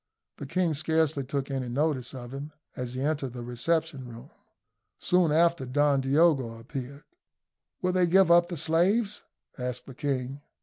The king scarcely took any notice of him as he entered the reception room. Soon after Don Diogo appeared. "Will they give up the slaves?" asked the king.